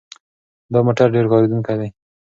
دا موټر ډېر کارېدونکی دی.